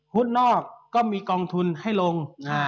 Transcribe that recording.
นอกก็มีกองทุนให้ลง